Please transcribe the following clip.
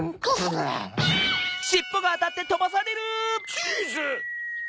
チーズ！